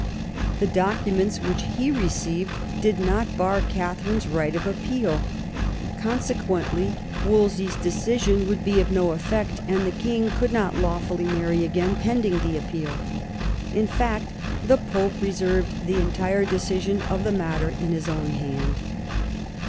The documents which he received did not bar Katha rine's right of appeal; consequently Wolsey's decision would be of no eflFect, and the king could not lawfully marry again pending the appeal. In fact, the Pope reserved the entire decision of the matter in his own hand.